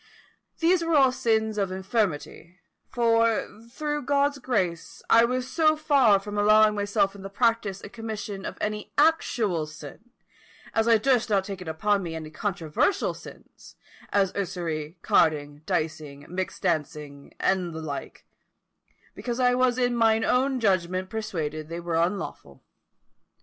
These were all sins of infirmity; for, through God's grace, I was so far from allowing myself in the practice and commission of any actual sin, as I durst not take upon me any controversial sins, as usury, carding, dicing, mixt dancing, and the like, because I was in mine own judgment persuaded they were unlawful.